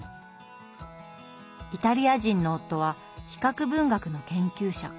イタリア人の夫は比較文学の研究者。